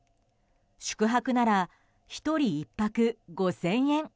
宿泊なら１人１泊５０００円